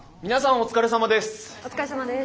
お疲れさまです。